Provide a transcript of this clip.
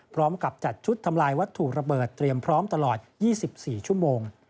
พร้อมกับจัดชุดทำลายวัตถุระเบิดเตรียมพร้อมตลอด๒๔ชั่วโมง